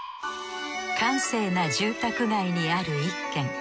閑静な住宅街にある一軒。